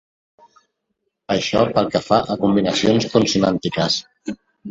Això pel que fa a combinacions consonàntiques.